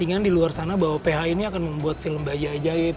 ketinggian di luar sana bahwa ph ini akan membuat film bayi ajaib